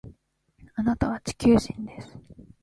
あなたは地球人です